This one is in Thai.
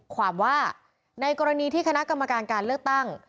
ความว่าในกรณีที่คณะกรรมการการเลือกตั้ง